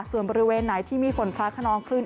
ส่วนบริเวณไหนที่มีฝนฟ้าขนองคลื่น